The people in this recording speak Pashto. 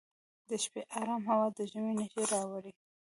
د شپې ارام هوا د ژمي نښې راوړي.